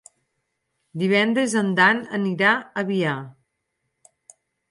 Divendres en Dan anirà a Biar.